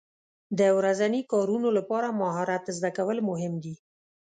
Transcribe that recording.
د ورځني کارونو لپاره مهارت زده کول مهم دي.